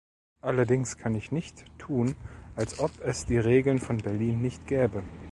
Allerdings kann ich nicht tun, als ob es die Regeln von Berlin nicht gäbe.